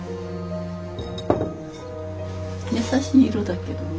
優しい色だけどね。